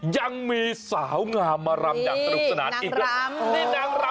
ยังมีสาวงามมารำอย่างตรุกสนานอีกนะครับโอ้โฮนี่นางรำ